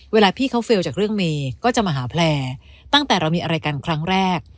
เวลาพี่เขาเฟลล์จากเรื่องเมย์ก็จะมาหาแพลร์ตั้งแต่เรามีอะไรกันครั้งแรก